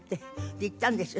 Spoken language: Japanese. で行ったんですよ。